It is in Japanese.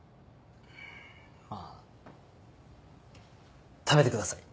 まあ食べてください。